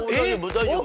大丈夫？